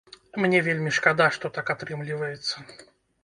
Мне вельмі шкада, што так атрымліваецца.